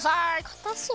かたそう。